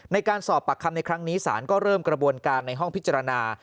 ในการสอบปากคำในครั้งนี้ศาลก็เริ่มกระบวนการในห้องพิจารณา